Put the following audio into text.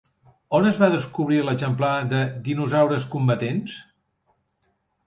On es va descobrir l'exemplar de «dinosaures combatents»?